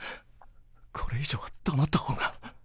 これ以上は黙った方が。